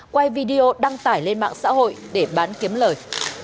quay video đăng tải lên mạng xã hội để bán kiếm lời